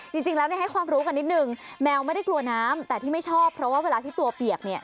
จริงแล้วให้ความรู้กันนิดนึงแมวไม่ได้กลัวน้ำแต่ที่ไม่ชอบเพราะว่าเวลาที่ตัวเปียกเนี่ย